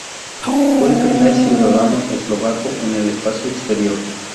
Fue el primer ciudadano eslovaco en el espacio exterior.